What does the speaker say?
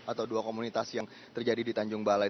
atau dua komunitas yang terjadi di tanjung balai